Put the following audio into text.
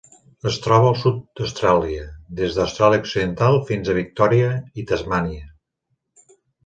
Es troba al sud d'Austràlia: des d'Austràlia Occidental fins a Victòria i Tasmània.